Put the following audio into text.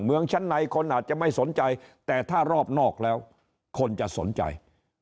เมืองชั้นในคนอาจจะไม่สนใจแต่ถ้ารอบนอกแล้วคนจะสนใจ